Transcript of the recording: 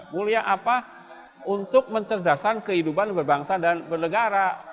mulia apa untuk mencerdasan kehidupan berbangsa dan bernegara